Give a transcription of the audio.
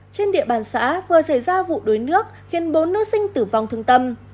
trên địa bàn xã vừa xảy ra vụ đuối nước khiến bốn nữ sinh tử vong thương tâm